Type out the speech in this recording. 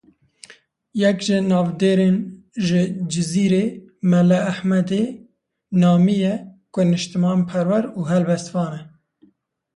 Yek ji navdarên ji Cezîrê Mele Ehmedê Namî ye ku niştiman perwer û helbestvane.